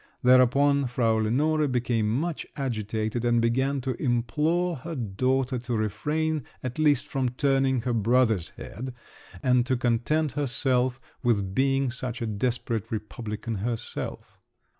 Thereupon Frau Lenore became much agitated, and began to implore her daughter to refrain at least from turning her brother's head, and to content herself with being such a desperate republican herself!